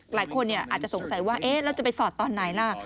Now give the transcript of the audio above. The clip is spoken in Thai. หลายคนอาจจะสงสัยว่าเราจะไปสอดตอนไหนล่ะ